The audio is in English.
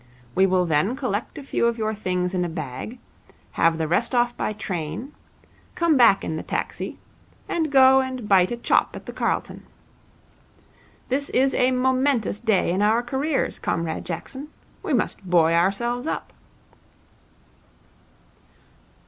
We will then collect a few of your things in a bag, have the rest off by train, come back in the taxi, and go and bite a chop at the Carlton. This is a momentous day in our careers, Comrade Jackson. We must buoy ourselves up.'